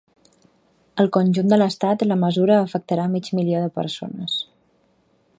Al conjunt de l’estat, la mesura afectarà mig milió de persones.